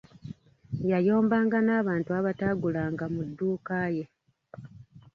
Yayombanga n'abantu abataagulanga mu dduuka ye.